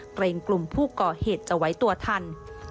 เกรงกลุ่มผู้ก่อเหตุจะไหวตัวทัน